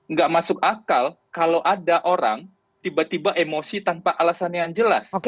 nggak masuk akal kalau ada orang tiba tiba emosi tanpa alasan yang jelas